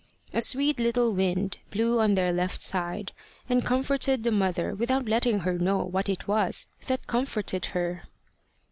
A sweet little wind blew on their left side, and comforted the mother without letting her know what it was that comforted her.